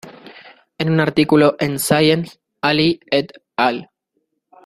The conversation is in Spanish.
En un artículo en Science, Alley et al.